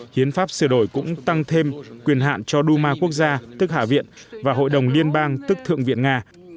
hiến pháp sửa đổi cũng tăng thêm quyền hạn cho duma quốc gia tức hạ viện và hội đồng liên bang tức thượng viện nga